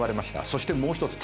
そしてもう一つ。